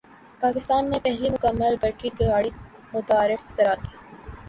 پاکستان نے پہلی مکمل برقی گاڑی متعارف کرادی